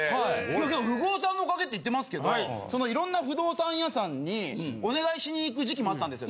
不遇男さんのおかげって言ってますけど色んな不動産屋さんにお願いしに行く時期もあったんですよ。